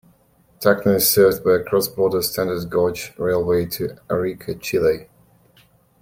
Tacna is served by a cross-border standard gauge railway to Arica, Chile.